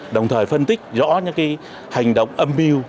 đồng thời phân tích rõ những hành động âm mưu